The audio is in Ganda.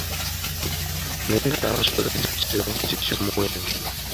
Naye ng'amaaso tagaggye ku kisero kye eky'omuwendo.